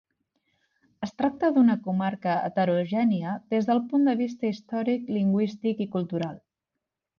Es tracta d'una comarca heterogènia des del punt de vista històric, lingüístic i cultural.